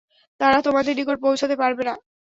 তারা তোমাদের নিকট পৌঁছতে পারবে না।